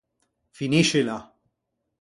Finiscila!